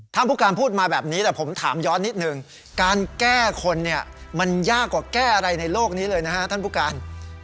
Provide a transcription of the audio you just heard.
ผู้การพูดมาแบบนี้แต่ผมถามย้อนนิดนึงการแก้คนเนี่ยมันยากกว่าแก้อะไรในโลกนี้เลยนะฮะท่านผู้การ